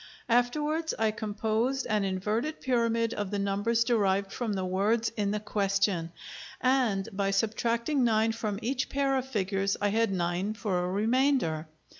Afterwards I composed an inverted pyramid of the numbers derived from the words in the question, and by subtracting nine from each pair of figures I had nine for a remainder.